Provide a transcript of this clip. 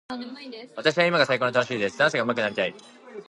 私は今が最高に楽しいです。ダンスがうまくなりたい。